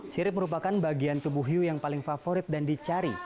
sirip merupakan bagian tubuh hiu yang paling favorit dan dicari